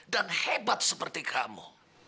dan hebat seperti kamu